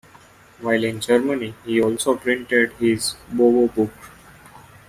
While in Germany he also printed his "Bovo-Bukh".